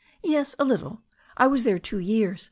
"Yes, a little. I was there two years.